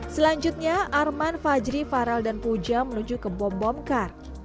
selanjutnya arman fajri farel dan puja menuju ke bom bom kar